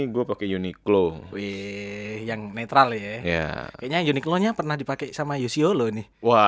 gua pakai uniqlo yang netral ya ya kayaknya uniqlo nya pernah dipakai sama yosio loh ini